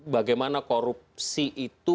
bagaimana korupsi itu